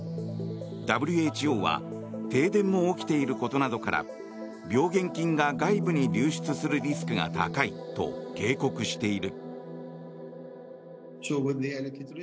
ＷＨＯは停電も起きていることなどから病原菌が外部に流出するリスクが高いと警告している。